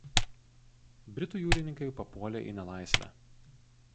Britų jūrininkai papuolė į nelaisvę.